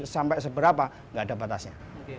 sampai seberapa tidak ada batasnya